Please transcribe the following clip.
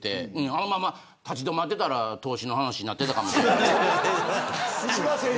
あのまま立ち止まってたら投資の話になってたかもしれん。